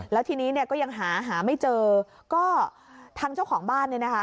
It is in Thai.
แล้วทีนี้เนี่ยก็ยังหาหาไม่เจอก็ทางเจ้าของบ้านเนี่ยนะคะ